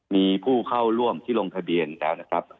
มีผู้เข้าร่วมที่ลงทะเบียนแล้วนะครับ